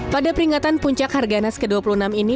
pada peringatan puncak harganas ke dua puluh enam ini